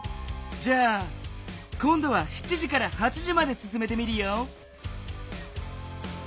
じゃあこんどは７時から８時まですすめてみるよ。